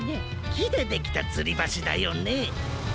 きでできたつりばしだよね。